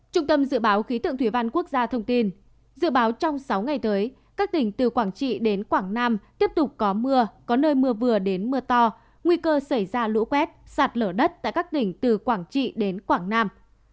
trung tâm dự báo khí tượng thủy văn quốc gia thông tin dự báo trong sáu ngày tới các tỉnh từ quảng trị đến quảng nam tiếp tục có mưa có nơi mưa vừa đến mưa to nguy cơ xảy ra lũ quét sạt lở đất tại các tỉnh từ quảng trị đến quảng nam